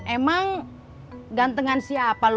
emang gantengan siapa lu sama dia